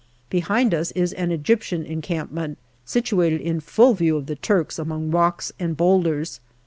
Behind us is an Egyptian encampment, situated in full view of the Turks among rocks and boulders.